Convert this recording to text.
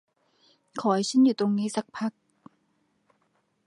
ขอให้ฉันอยู่ตรงนี้สักพัก